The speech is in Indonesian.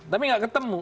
tapi tidak ketemu